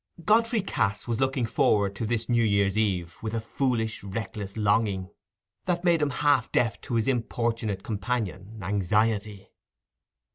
Godfrey Cass was looking forward to this New Year's Eve with a foolish reckless longing, that made him half deaf to his importunate companion, Anxiety.